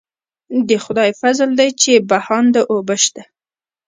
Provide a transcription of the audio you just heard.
د خدای فضل دی چې بهانده اوبه شته.